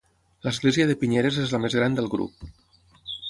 L'església de Pinyeres és la més gran del grup.